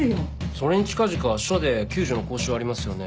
それに近々署で救助の講習ありますよね。